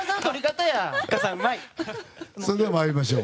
それでは参りましょう。